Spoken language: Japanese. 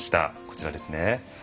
こちらですね。